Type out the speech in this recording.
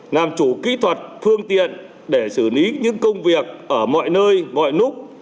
làm chủ kỹ thuật phương tiện để xử lý những công việc ở mọi nơi mọi lúc